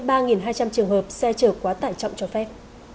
ba hai trăm linh trường hợp xe chở quá tải trọng cho phép